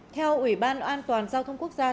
theo ủy ban an toàn giao thông quốc gia